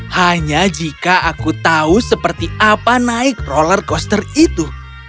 hanya jika aku tahu seperti apa naik rollercoaster itu